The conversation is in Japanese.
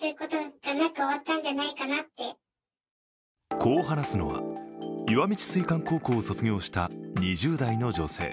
こう話すのは石見智翠館高校を卒業した２０代の女性。